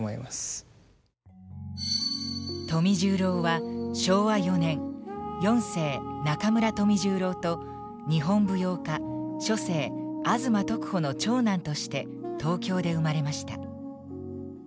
富十郎は昭和４年四世中村富十郎と日本舞踊家初世吾妻徳穂の長男として東京で生まれました。